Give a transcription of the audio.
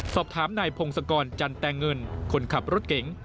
สอบถามนายพงศกรจันแตงเงินคนขับรถเก๋ง